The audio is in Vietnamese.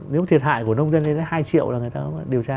nếu thiệt hại của nông dân thì hai triệu là người ta điều tra